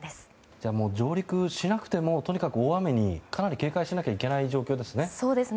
じゃあ上陸しなくてもとにかく大雨にかなり警戒しなければいけない状況ですね。